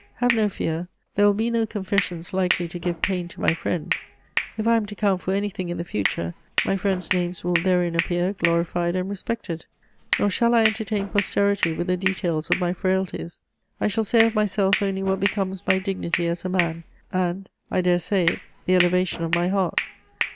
Have no fear; there will be no confessions likely to give pain to my friends: if I am to count for anything in the future, my friends' names will therein appear glorified and respected. Nor shall I entertain posterity with the details of my frailties; I shall say of myself only what becomes my dignity as a man, and, I dare say it, the elevation of my heart.